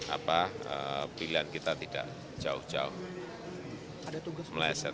apa pilihan kita tidak jauh jauh meleset